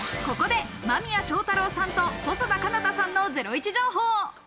ここで間宮祥太朗さんと、細田佳央太さんのゼロイチ情報。